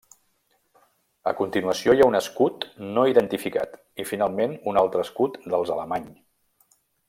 A continuació hi ha un escut no identificat i finalment un altre escut dels Alemany.